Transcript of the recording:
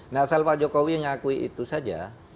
nah asal pak jokowi ngakui itu saja